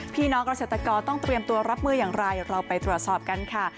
พี่น้องเกษตรกรต้องเตรียมตัวรับมืออย่างไรเราไปตรวจสอบกันค่ะ